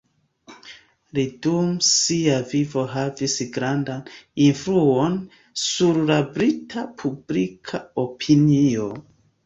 Li dum sia vivo havis grandan influon sur la brita publika opinio.